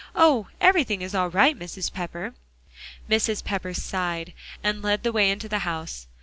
Oh! everything is all right, Mrs. Pepper." Mrs. Pepper sighed and led the way into the house.